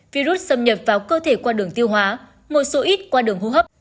virus xâm nhập vào cơ thể qua đường tiêu hóa một số ít qua đường hô hấp